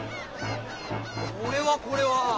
これはこれは。